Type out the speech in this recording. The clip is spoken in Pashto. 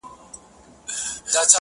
خود به د حالاتو سره جنګ کيیار ګټي میدان-